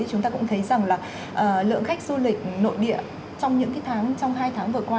chúng ta cũng thấy rằng là lượng khách du lịch nội địa trong những tháng trong hai tháng vừa qua